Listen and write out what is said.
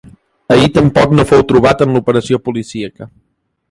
Ahir tampoc no fou trobat en l’operació policíaca.